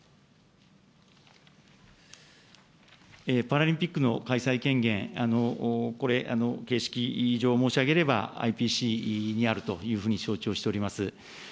パラリンピックの開催権限、これ、形式上申し上げれば、ＩＰＣにあるというふうに承知をしております。